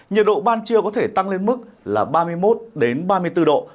nhiệt độ ban trưa có thể tăng lên mức là ba mươi một ba mươi bốn độ